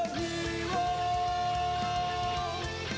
นี่คือ